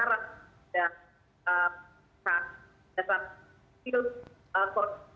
dan saat dasar